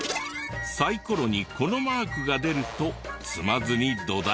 サイコロにこのマークが出ると積まずに土台にできる。